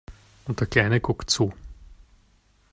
Und der Kleine guckt zu.